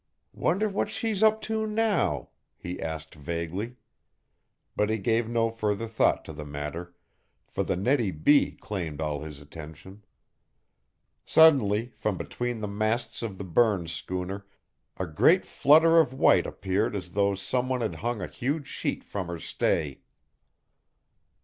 "Wonder what she's up to now?" he asked vaguely. But he gave no further thought to the matter, for the Nettie B. claimed all his attention. Suddenly from between the masts of the Burns schooner a great flutter of white appeared as though some one had hung a huge sheet from her stay.